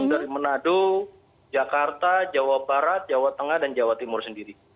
dari manado jakarta jawa barat jawa tengah dan jawa timur sendiri